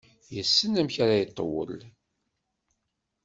Yessen amek ara iṭawel.